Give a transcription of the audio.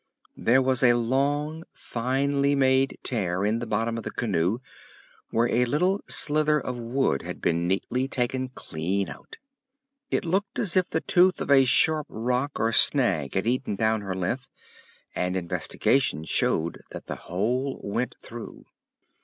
There was a long, finely made tear in the bottom of the canoe where a little slither of wood had been neatly taken clean out; it looked as if the tooth of a sharp rock or snag had eaten down her length, and investigation showed that the hole went through.